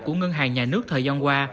của ngân hàng nhà nước thời gian qua